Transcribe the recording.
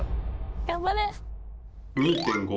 頑張れ！